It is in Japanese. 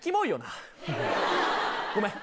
ごめん。